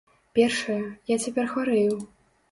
Першае, я цяпер хварэю.